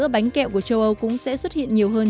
bánh kẹo của châu âu cũng sẽ xuất hiện nhiều hơn